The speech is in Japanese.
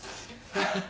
ハハハハ。